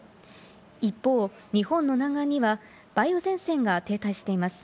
一方、日本の南岸には梅雨前線が停滞しています。